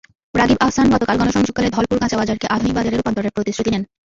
রাগীব আহসান গতকাল গণসংযোগকালে ধলপুর কাঁচাবাজারকে আধুনিক বাজারে রূপান্তরের প্রতিশ্রুতি দেন।